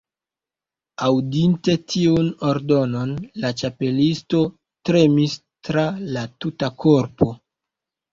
Aŭdinte tiun ordonon la Ĉapelisto tremis tra la tuta korpo.